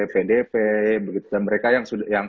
pdp dan mereka yang